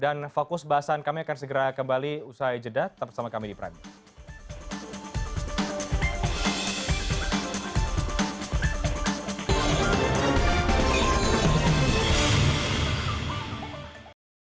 dan fokus bahasan kami akan segera kembali usai jeda bersama kami di prime news